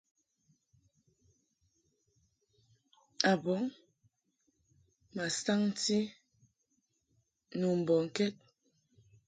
A bɔŋ ma saŋti nu mbɔŋkɛd.